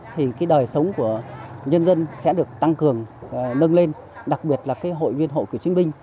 thì đời sống của nhân dân sẽ được tăng cường nâng lên đặc biệt là hội viên hội của chính minh